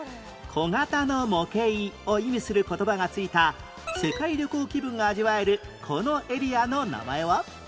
「小型の模型」を意味する言葉が付いた世界旅行気分が味わえるこのエリアの名前は？